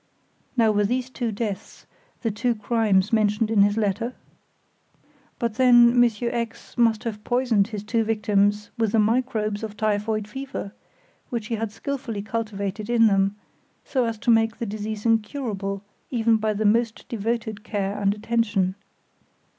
Now, were these two deaths the two crimes mentioned in his letter? But then, Monsieur X must have poisoned his two victims with the microbes of typhoid fever, which he had skillfully cultivated in them, so as to make the disease incurable, even by the most devoted care and attention.